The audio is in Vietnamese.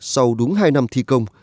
sau đúng hai năm thi công